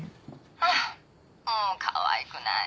はぁもうかわいくない。